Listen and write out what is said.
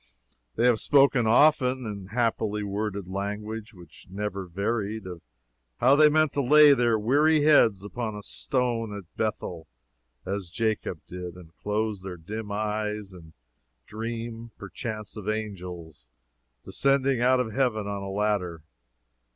They have spoken often, in happily worded language which never varied, of how they mean to lay their weary heads upon a stone at Bethel, as Jacob did, and close their dim eyes, and dream, perchance, of angels descending out of heaven on a ladder.